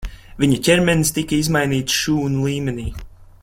Viņa ķermenis tika izmainīts šūnu līmenī.